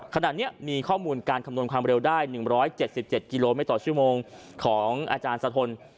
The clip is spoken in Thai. ขณะนี้มีข้อมูลการคำนวณความเร็วได้๑๗๗กิโลเมตรต่อชั่วโมงของอาจารย์สะทน